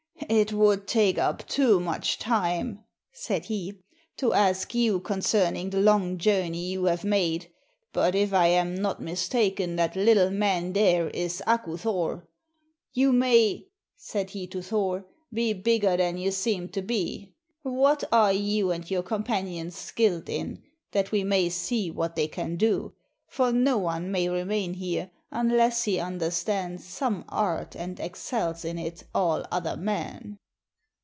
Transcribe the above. "It would take up too much time," said he, "to ask you concerning the long journey you have made, but if I am not mistaken that little man there is Aku Thor. You may," said he to Thor, "be bigger than you seem to be. What are you and your companions skilled in that we may see what they can do, for no one may remain here unless he understands some art and excels in it all other men?"